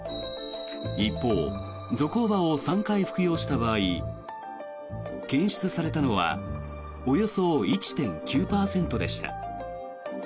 一方、ゾコーバを３回服用した場合検出されたのはおよそ１．９％でした。